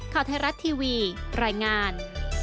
ข่าวไทยรัฐทีวีรายงาน